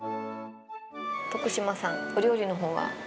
徳島さん、お料理のほうは。